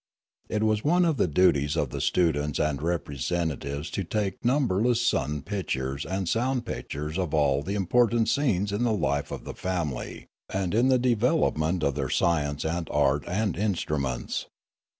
It was one of the duties of the students and representa tives to take numberless sun pictures and sound pictures of all the important scenes in the life of the family and in the development of their science and art and instru ments.